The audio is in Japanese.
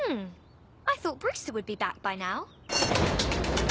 うん。